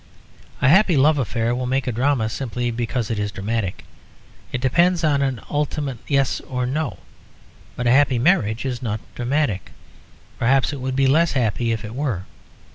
A happy love affair will make a drama simply because it is dramatic; it depends on an ultimate yes or no. But a happy marriage is not dramatic; perhaps it would be less happy if it were.